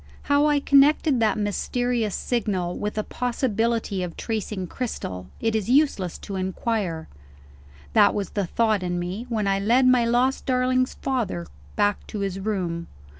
How I connected that mysterious signal with a possibility of tracing Cristel, it is useless to inquire. That was the thought in me, when I led my lost darling's father back to his room.